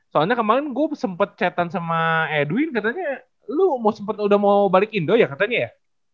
soalnya kemaren gua sempet chat an sama edwin katanya lu sempet udah mau balik indo ya katanya ya